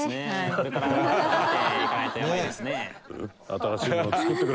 これから頑張っていかないとやばいですね。